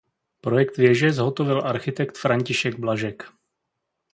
Projekt věže zhotovil architekt František Blažek.